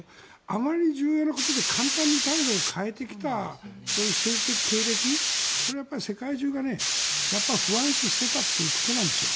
あまりにも重要なことで簡単に態度を変えてきたそういう政治的経歴それを世界中がやっぱり不安視していたということなんですよ。